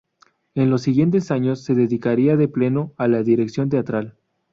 En los siguientes años, se dedicaría de pleno a la dirección teatral.